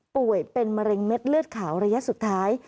ป่วยเป็นมะเร็งเม็ดเลือดขาวระยะสุดท้าย